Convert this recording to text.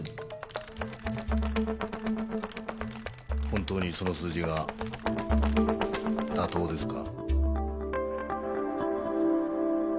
本当にその数字が妥当ですか？